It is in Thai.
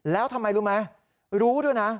แล้วทำไมรู้ไหมรู้ด้วยนะ